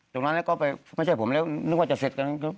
ตรงนั้นแล้วก็ไปไม่ใช่ผมแล้วนึกว่าจะเสร็จกัน